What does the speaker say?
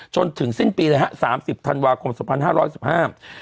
จนถึงสิ้นปีเลยฮะสามสิบธันวาคมสองพันห้าร้อยสิบห้า